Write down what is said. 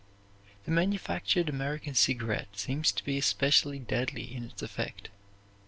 The manufactured American cigarette seems to be especially deadly in its effect.